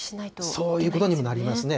そういうことにもなりますね。